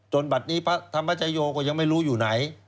จนตอนนี้พระธรรมพระไจโยคก็ยังไม่รู้อยู่ไหน